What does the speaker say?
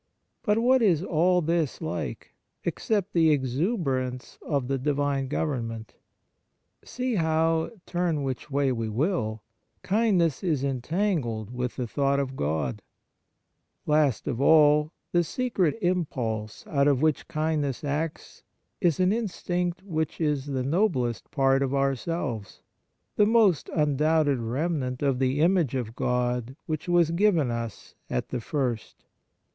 But what is all this like, except the exuberance of the Divine government ? See how, turn which way we will, kindness is entangled with the thought of God ! Last of all, the secret impulse out of which kindness acts is an instinct which is the noblest part of our 22 Kindness selves, the most undoubted remnant of the image of God which was given us at the first.